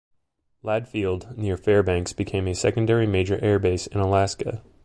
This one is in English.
Ladd Field near Fairbanks became a secondary major air base in Alaska.